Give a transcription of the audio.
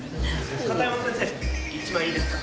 片山先生１枚いいですか？